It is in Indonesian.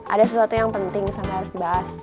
ada sesuatu yang penting saya harus dibahas